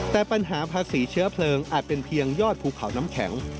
แต่ปัญหาภาษีเชื้อเพลิงอาจเป็นเพียงยอดภูเขาน้ำแข็ง